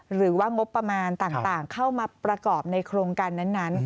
หรือว่างบประมาณต่างเข้ามาประกอบในโครงการนั้น